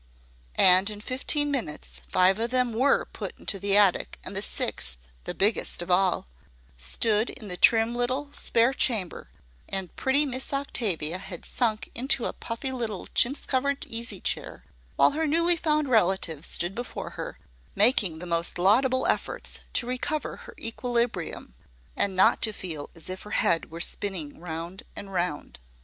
And in fifteen minutes five of them were put into the attic, and the sixth the biggest of all stood in the trim little spare chamber, and pretty Miss Octavia had sunk into a puffy little chintz covered easy chair, while her newly found relative stood before her, making the most laudable efforts to recover her equilibrium, and not to feel as if her head were spinning round and round.